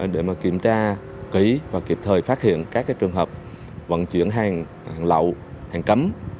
để mà kiểm tra kỹ và kịp thời phát hiện các trường hợp vận chuyển hàng lậu hàng cắm